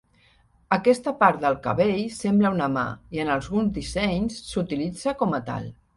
Aquesta part del cabell sembla una mà, i en alguns dissenys s'utilitza com a tal.